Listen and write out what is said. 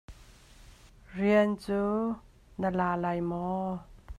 Rian cu na la lai maw?